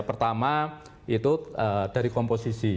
pertama itu dari komposisi